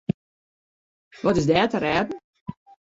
Wat is der te rêden?